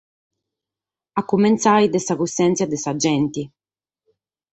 A cumintzare dae sa cussèntzia de sa gente.